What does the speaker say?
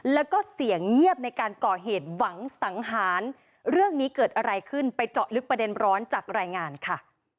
แล้วก็เสียงเงียบในการก่อเหตุหวังสังหารเรื่องนี้เกิดอะไรขึ้นไปเจาะลึกประเด็นร้อนจากรายงานค่ะ